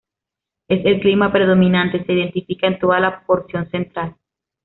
Es el clima predominante; se identifica en toda la porción central.